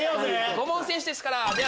５問先取ですから。